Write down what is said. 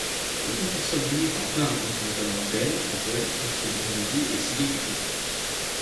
Le consortium mené par Bain inclut notamment Dell, Apple, Kingston Technology et Seagate Technology.